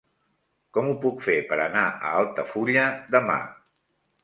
Com ho puc fer per anar a Altafulla demà?